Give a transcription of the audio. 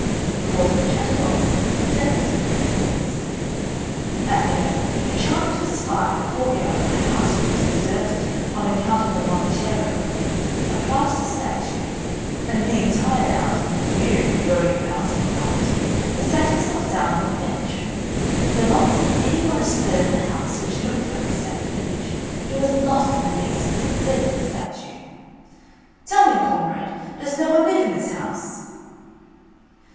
he called him a chatterbox, who deafened him with his noise. At length he chanced to espy, in the courtyard of a house which was deserted on account of the Monaciello, a plaster statue; and being tired out, and wearied with going about and about, he sat himself down on a bench. But not seeing any one astir in the house, which looked like a sacked village, he was lost in amazement, and said to the statue: "Tell me, comrade, does no one live in this house?"